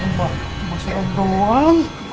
udah dah udah dah